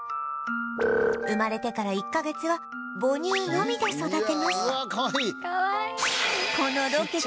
生まれてから１カ月は母乳のみで育てます